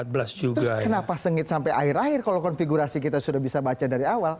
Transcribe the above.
terus kenapa sengit sampai akhir akhir kalau konfigurasi kita sudah bisa baca dari awal